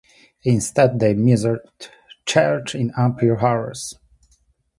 Instead they measured charge in ampere-hours.